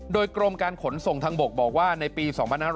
โดยกรมการขนส่งทางบกบอกว่าในปี๒๕๖๐